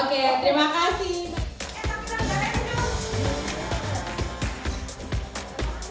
oke terima kasih